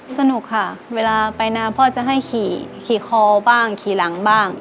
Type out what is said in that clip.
สนุกค่ะเวลาไปนานพ่อจะให้ขี่คอบ้างขี่หลังบ้าง